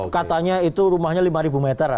katanya itu rumahnya lima meter